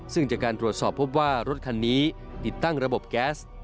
ซึ่งจากการตรวจสอบพบว่ารถคันนี้ติดตั้งระบบแก๊ส